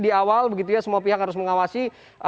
di awal semua pihak harus mengawasi